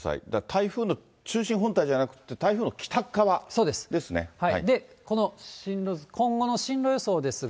台風の中心本体じゃなくて、この進路図、今後の進路予想ですが。